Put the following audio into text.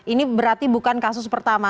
ini berarti bukan kasus pertama